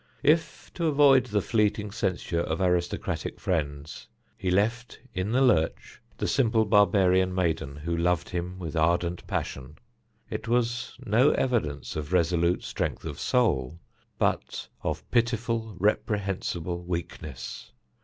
If to avoid the fleeting censure of aristocratic friends he left in the lurch the simple barbarian maiden who loved him with ardent passion, it was no evidence of resolute strength of soul, but of pitiful, reprehensible weakness.